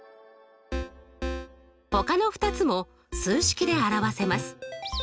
ほかの２つも数式で表せます。